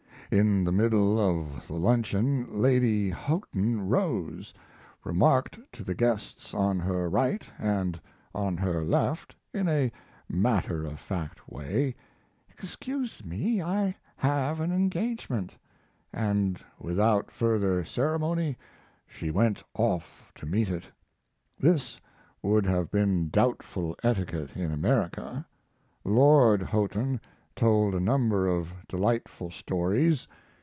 In the middle of the luncheon Lady Houghton rose, remarked to the guests on her right and on her left, in a matter of fact way, "Excuse me, I have an engagement," and without further ceremony, she went off to meet it. This would have been doubtful etiquette in America. Lord Houghton told a number of delightful stories.